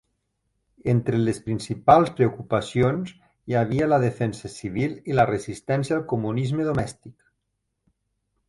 Entre les seves principals preocupacions hi havia la defensa civil i la resistència al comunisme domèstic.